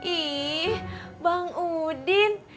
ih bang udin